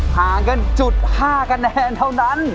ห่างกัน๐๕แป่นเท่านั้น